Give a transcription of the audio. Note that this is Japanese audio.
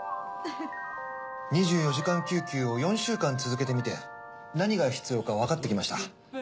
２４時間救急を４週間続けてみて何が必要かわかってきました。